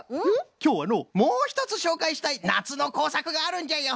きょうはのもうひとつしょうかいしたいなつのこうさくがあるんじゃよ。